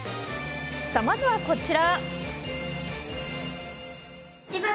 まずは、こちら。